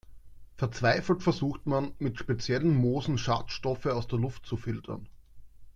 Verzweifelt versucht man, mit speziellen Moosen Schadstoffe aus der Luft zu filtern.